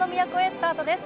スタートです。